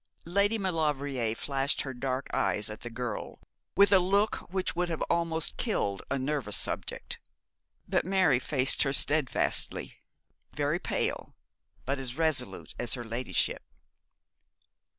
Lady Maulevrier flashed her dark eyes at the girl with a look which would have almost killed a nervous subject; but Mary faced her steadfastly, very pale, but as resolute as her ladyship.